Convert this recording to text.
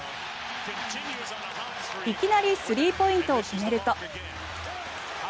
いきなりスリーポイントを決めると。